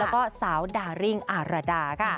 แล้วก็สาวดาริงอรดา